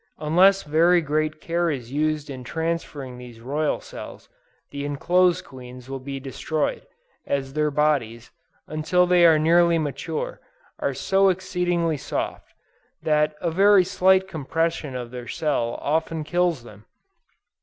Unless very great care is used in transferring these royal cells, the enclosed queens will be destroyed; as their bodies, until they are nearly mature, are so exceedingly soft, that a very slight compression of their cell often kills them.